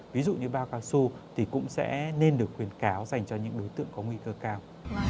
ví dụ như bao cao su thì cũng sẽ nên được khuyến cáo dành cho những đối tượng có nguy cơ cao